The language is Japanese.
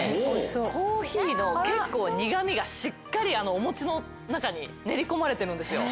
コーヒーの結構苦味がしっかりお餅の中に練り込まれてるんですよ。